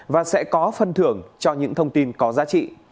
và sẽ có phân thưởng cho những thông tin có giá trị